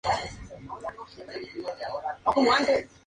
Liga con el segundo equipo.